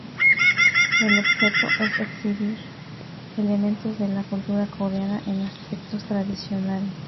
El objeto es exhibir elementos de la cultura coreana en aspectos tradicionales.